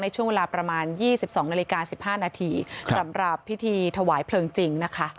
ในช่วงเวลา๒๒นสำหรับพัฒน์ทวายเผลิงจริง